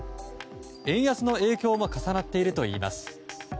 円安の影響も重なっているといいます。